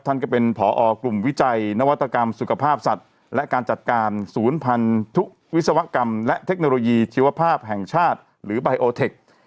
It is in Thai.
ท่านก็เป็นผอกลุ่มวิจัยนวัตกรรมสุขภาพสัตว์และการจัดการศูนย์พันธุ์ทุกวิศวกรรมและเทคโนโลยีชีวภาพแห่งชาติหรือไบโอเทค